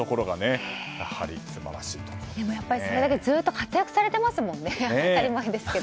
でもやっぱり、それだけずっと活躍されてますものね。